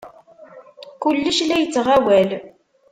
Kullec la yettɣawal.